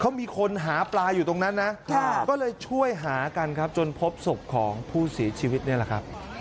เขามีคนหาปลาอยู่ตรงนั้นนะก็เลยช่วยหากันครับจนพบศพของผู้เสียชีวิตนี่แหละครับ